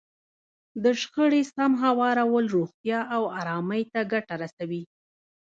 د شخړې سم هوارول روغتیا او ارامۍ ته ګټه رسوي.